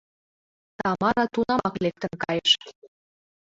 Тамара тунамак лектын кайыш.